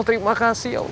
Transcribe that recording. terima kasih ya allah